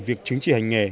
việc chứng chỉ hành nghề